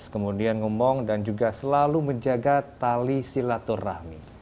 kemudian ngomong dan juga selalu menjaga tali silaturahmi